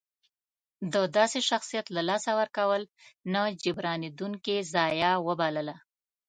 د داسې شخصیت له لاسه ورکول نه جبرانېدونکې ضایعه وبلله.